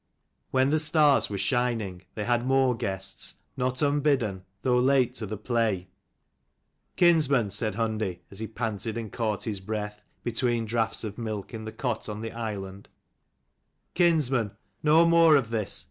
When the stars were shining, they had more guests, not unbidden, though late to the play. " Kinsman," said Hundi, as he panted and caught his breath, between draughts of milk in the cot on the island ;" Kinsman, no more of this.